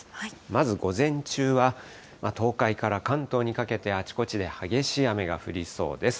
まず午前中は、東海から関東にかけて、あちこちで激しい雨が降りそうです。